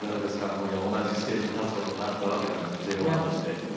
今夜同じステージに立つことになったわけですけどＪＯ１として。